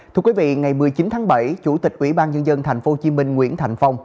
thưa quý vị ngày một mươi chín tháng bảy chủ tịch ủy ban nhân dân tp hcm nguyễn thành phong